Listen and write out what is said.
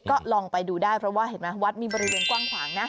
ก็ลองไปดูได้เพราะว่าเห็นไหมวัดมีบริเวณกว้างขวางนะ